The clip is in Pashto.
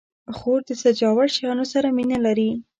خور د سجاوړ شیانو سره مینه لري.